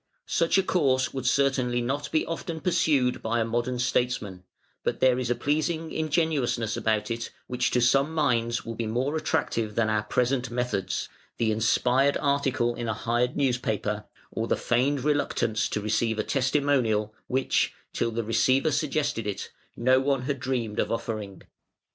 Such a course would certainly not be often pursued by a modern statesman, but there is a pleasing ingenuousness about it which to some minds will be more attractive than our present methods, the "inspired" article in a hired newspaper, or the feigned reluctance to receive a testimonial which, till the receiver suggested it, no one had dreamed of offering.